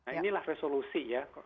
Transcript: nah inilah resolusi ya